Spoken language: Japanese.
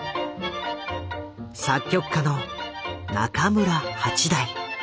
作曲家の中村八大。